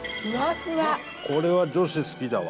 富澤：これは女子、好きだわ。